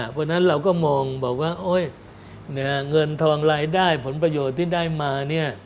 เพราะฉะนั้นเราก็มองบอกว่าเงินทองรายได้ผลประโยชน์ที่ได้มาเนี่ย